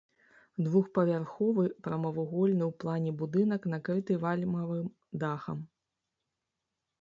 Двухпавярховы, прамавугольны ў плане будынак, накрыты вальмавым дахам.